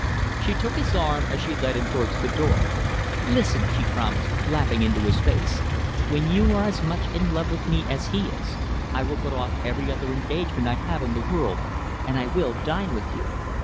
She took his arm as she led him towards the door. "Listen," she promised, laughing into his face, "when you are as much in love with me as he is, I will put off every other engagement I have in the world, and I will dine with you.